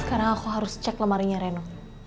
sekarang aku harus cek lemarinya reno